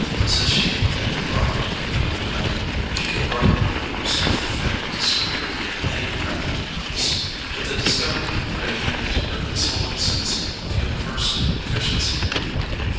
Since she had been brought up to be ornamental, she could hardly blame herself for failing to serve any practical purpose; but the discovery put an end to her consoling sense of universal efficiency.